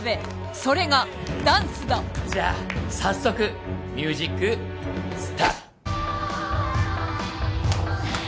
それがダンスだじゃあ早速ミュージックスタート！